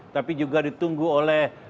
tapi juga ditunggu oleh